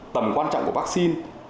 tầm quan trọng của vaccine